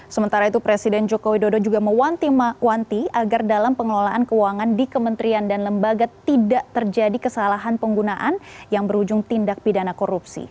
sementara itu presiden joko widodo juga mewanti agar dalam pengelolaan keuangan di kementerian dan lembaga tidak terjadi kesalahan penggunaan yang berujung tindak pidana korupsi